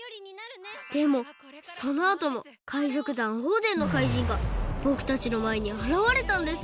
でもそのあとも海賊団オーデンのかいじんがぼくたちのまえにあらわれたんです。